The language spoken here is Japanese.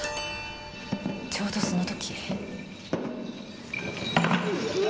ちょうどその時。